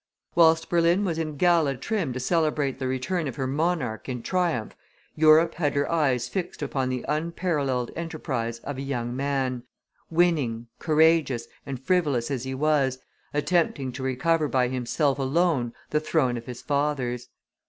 Whilst Berlin was in gala trim to celebrate the return of her monarch in triumph, Europe had her eyes fixed upon the unparalleled enterprise of a young man, winning, courageous, and frivolous as he was, attempting to recover by himself alone the throne of his fathers.